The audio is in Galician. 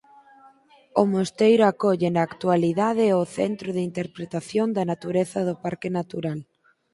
O mosteiro acolle na actualidade o centro de interpretación da natureza do parque natural.